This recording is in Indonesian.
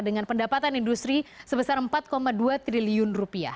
dengan pendapatan industri sebesar empat dua triliun rupiah